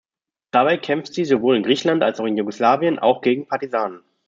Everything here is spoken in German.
Dabei kämpfte sie sowohl in Griechenland als auch in Jugoslawien auch gegen Partisanen.